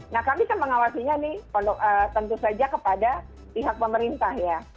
nah kami kan mengawasinya nih tentu saja kepada pihak pemerintah ya